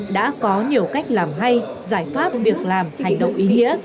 đã có nhiều cách làm hay giải pháp việc làm hành động ý nghĩa